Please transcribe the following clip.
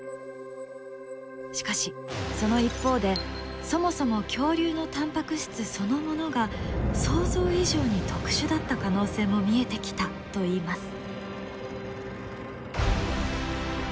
しかしその一方でそもそも恐竜のタンパク質そのものが想像以上に特殊だった可能性も見えてきたといいます。